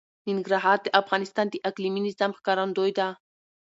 ننګرهار د افغانستان د اقلیمي نظام ښکارندوی ده.